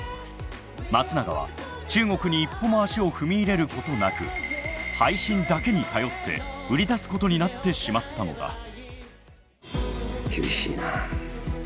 松永は中国に一歩も足を踏み入れることなく配信だけに頼って売り出すことになってしまったのだ。